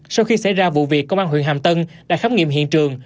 sau khi xảy ra vụ việc công an huyện hàm tân đã khám nghiệm hiện trường